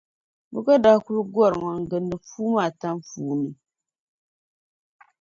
Bɛ gba daa kuli gɔrimi n-gindi puu maa tam puuni.